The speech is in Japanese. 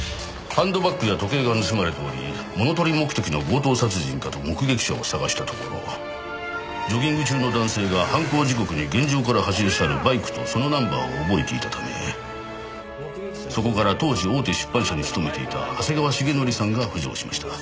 ハンドバッグや時計が盗まれており物盗り目的の強盗殺人かと目撃者を探したところジョギング中の男性が犯行時刻に現場から走り去るバイクとそのナンバーを覚えていたためそこから当時大手出版社に勤めていた長谷川重徳さんが浮上しました。